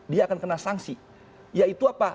dia akan kena sanksi yaitu apa